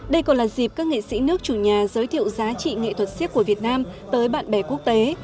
đây còn là dịp các nghệ sĩ nước chủ nhà giới thiệu giá trị nghệ thuật siếc của việt nam tới bạn bè quốc tế